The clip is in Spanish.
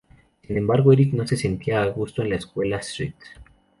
Sin embargo, Eric no se sentía a gusto en la escuela St.